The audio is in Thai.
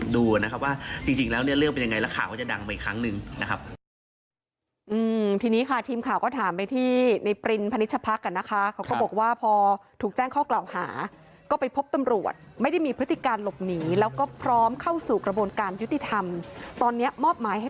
เดี๋ยวก็จะได้ดูนะครับว่าจริงแล้วเนี่ยเรื่องเป็นยังไง